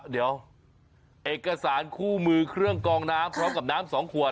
เดี๋ยวเอกสารคู่มือเครื่องกองน้ำพร้อมกับน้ำสองขวด